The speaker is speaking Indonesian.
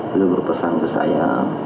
beliau berpesan ke saya